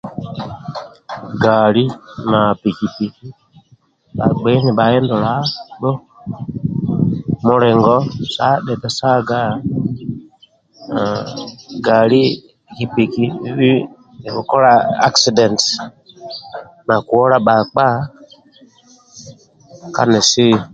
Gali na piki piki bhagbei nibhahidulabho mulingo sa dhetisaga hhh gali piki piki ibi bikukola akisidentisi nakuwola bhakpa ka nesiyo